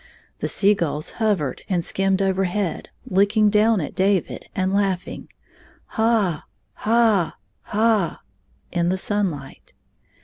The sea gulls hov ered and skimmed overhead, looking down at David and laughing " ha ha ha " in the sunlight.